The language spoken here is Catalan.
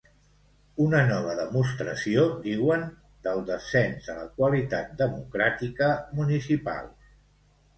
Una nova demostració, diuen, del ‘descens de la qualitat democràtica’ municipal.